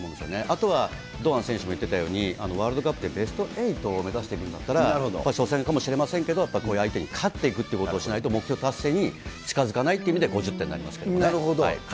あとは堂安選手も言ってたように、ワールドカップでベスト８を目指してくんだったら、初戦かもしれませんけど、こういう相手に勝っていくということをしないと、目標達成に近づかないという意味なるほど。